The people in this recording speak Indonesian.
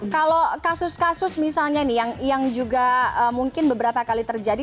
kalau kasus kasus misalnya nih yang juga mungkin beberapa kali terjadi